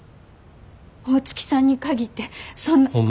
大月さんに限ってそんな。